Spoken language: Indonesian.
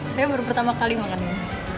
saya baru pertama kali makan ini